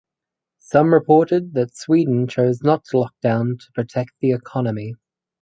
Some reported that Sweden chose not to lock down to protect the economy.